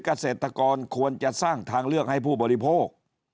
เกษตรกรควรจะสร้างทางเลือกให้ผู้บริโภค